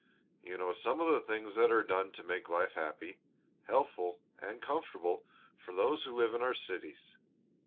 You know some of the things that are done to make life happy, healthful, and comfortable for those who live in our cities.